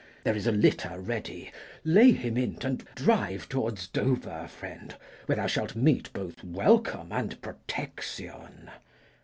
There is a litter ready; lay him in't And drive towards Dover, friend, where thou shalt meet Both welcome and protection.